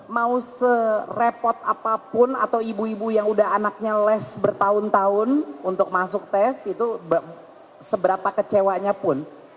mau serepot apapun atau ibu ibu yang udah anaknya les bertahun tahun untuk masuk tes itu seberapa kecewanya pun